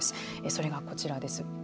それがこちらです。